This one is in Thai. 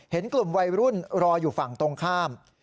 เห็นกลุ่มวัยรุ่นรออยู่ฝั่งตรงข้าม